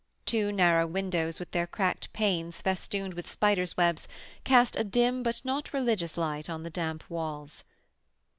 Two narrow windows, with their cracked panes festooned with spiders' webs, cast a dim but not religious light on the damp walls.